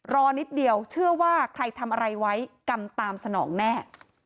รอนิดเดียวเชื่อว่าใครทำอะไรไว้กรรมตามสนองแน่